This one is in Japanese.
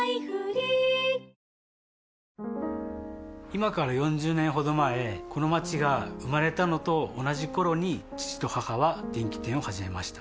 今から４０年ほど前この街が生まれたのと同じ頃に父と母は電器店を始めました